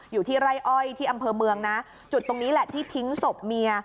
อยู่ที่ไร่อ้อยที่อำเภอเมืองนะจุดตรงนี้แหละที่ทิ้งศพเมีย